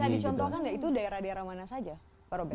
bisa dicontohkan nggak itu daerah daerah mana saja pak robert